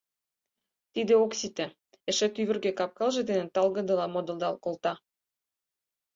Тиде ок сите, эше тӱвыргӧ кап-кылже дене талгыдыла модылдал колта.